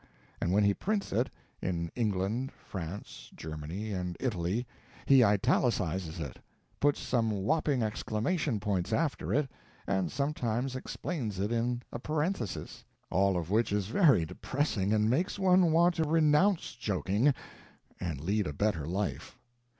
And when he prints it, in England, France, Germany, and Italy, he italicizes it, puts some whopping exclamation points after it, and sometimes explains it in a parenthesis. All of which is very depressing, and makes one want to renounce joking and lead a better life.